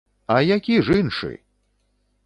А які ж іншы?!